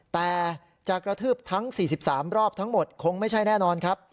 แต่จะกระทืบทั้ง๔๓รอบทั้งหมดคงไม่ใช่แน่นอนครับ